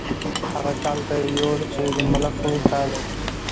هغه کال ته یې یوړ چې د ملخو کال و.